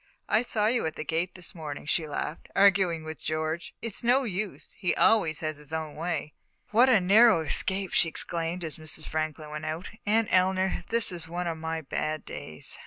"I saw you at the gate this morning," she laughed, "arguing with George. It's no use he always has his own way." "What a narrow escape!" she exclaimed, as Mrs. Franklin went out. "Aunt Eleanor, this is one of my bad days."